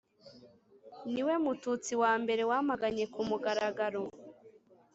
ni we mututsi wa mbere wamaganye ku mugaragaro